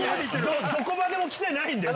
どこまでもきてないんだよ！